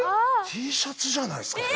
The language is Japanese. Ｔシャツじゃないですか。